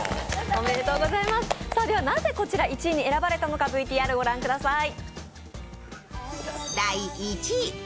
なぜ、こちらが１位に選ばれたのか、ＶＴＲを御覧ください。